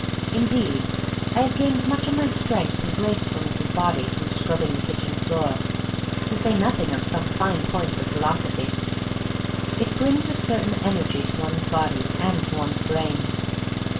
Indeed, I have gained much of my strength and gracefulness of body from scrubbing the kitchen floor — to say nothing of some fine points of philosophy. It brings a certain energy to one*s body and to one's brain.